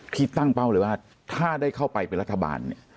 ที่ตั้งเป้าเลยว่าถ้าได้เข้าไปเป็นรัฐบาลเนี่ย